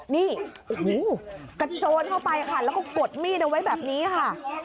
นี่โอ้โหกระโจนเข้าไปค่ะแล้วก็กดมีดเอาไว้แบบนี้ค่ะ